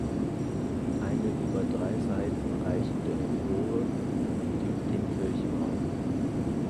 Eine über drei Seiten reichende Empore umgibt den Kirchenraum.